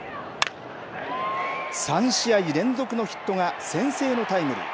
３試合連続のヒットが先制のタイムリー。